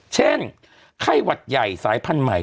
เช่นไข้หวัดใหญ่สายพันธุ์ใหม่